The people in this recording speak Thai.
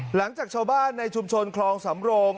หลังจากชาวบ้านในชุมชนคลองสำโรง